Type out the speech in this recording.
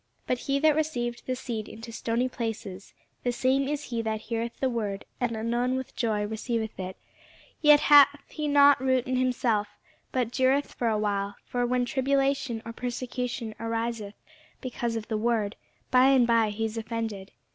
But he that received the seed into stony places, the same is he that heareth the word, and anon with joy receiveth it; yet hath he not root in himself, but dureth for a while: for when tribulation or persecution ariseth because of the word, by and by he is offended.